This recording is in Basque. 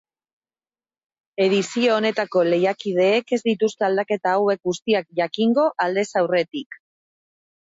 Edizio honetako lehiakideek ez dituzte aldaketa hauek guztiak jakingo aldez aurretik.